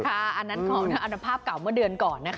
ค่ะอันนั้นบอกว่าอันดับภาพเก่าเมื่อเดือนก่อนน่ะค่ะ